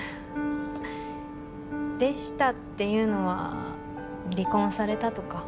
「でした」っていうのは離婚されたとか？